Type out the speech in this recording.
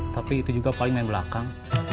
tapi itu juga paling main belakang